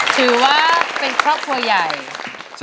ถือว่าเป็นครอบครัวใหญ่